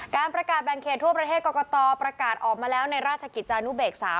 การประกาศแบ่งเขตทั่วประเทศกรกตประกาศออกมาแล้วในราชกิจจานุเบกษา